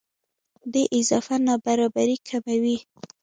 دې اضافه نابرابرۍ کموي.